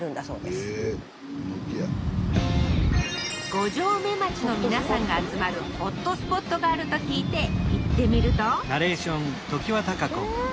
五城目町の皆さんが集まるホットスポットがあると聞いて行ってみるとえっ！